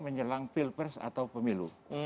menyerang pilpers atau pemilu